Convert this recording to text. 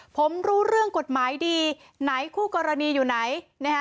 ผมรู้เรื่องกฎหมายดีไหนคู่กรณีอยู่ไหนนะฮะ